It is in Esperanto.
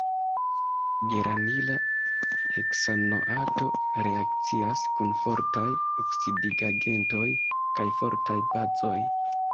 Geranila heksanoato reakcias kun fortaj oksidigagentoj kaj fortaj bazoj.